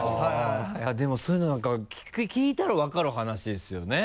でもそういうのなんか聞いたら分かる話ですよね。